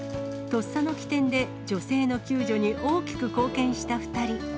とっさの機転で、女性の救助に大きく貢献した２人。